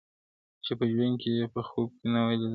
چي په ژوند کي یې په خوب نه وو لیدلی -